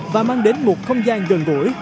và mang đến một không gian gần gũi